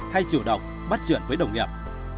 hay chủ động bắt chuyện với đồng nghiệp